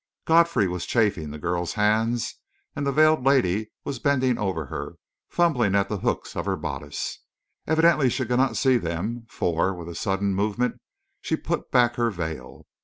Godfrey was chafing the girl's hands, and the veiled lady was bending over her, fumbling at the hooks of her bodice. Evidently she could not see them, for, with a sudden movement, she put back her veil.